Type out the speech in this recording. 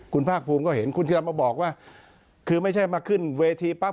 คุณภาคภูมิก็เห็นคุณธิรมาบอกว่าคือไม่ใช่มาขึ้นเวทีปั๊บ